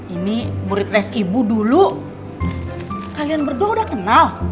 ini burit res ibu dulu kalian berdua udah kenal